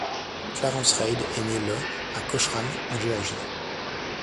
Clarence Reid est né le à Cochran, en Géorgie.